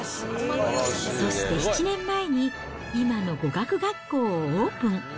そして７年前に、今の語学学校をオープン。